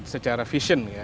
secara vision ya